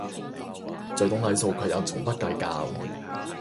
最懂禮數卻又從不計較